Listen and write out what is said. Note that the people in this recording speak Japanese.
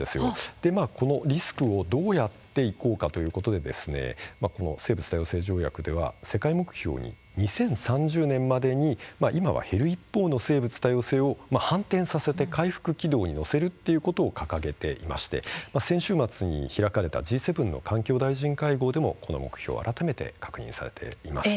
このリスクをどうやっていこうかというところで世界目標としては２０３０年までに今は減る一方の生物多様性を反転させて回復軌道に乗せることを掲げていて先週末に開かれたＧ７の環境大臣会合でもこの目標は改めて確認されています。